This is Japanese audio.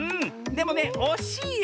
でもねおしいよ